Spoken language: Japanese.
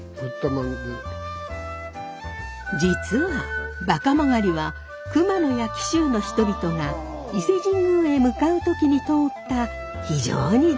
実は馬鹿曲は熊野や紀州の人々が伊勢神宮へ向かう時に通った非常に重要な道なんです。